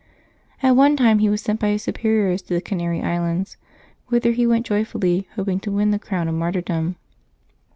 At one time he was sent by his superiors to the Canary Islands, whither he went joyfully, hoping to win the crown of martyrdom.